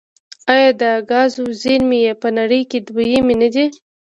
آیا د ګازو زیرمې یې په نړۍ کې دویمې نه دي؟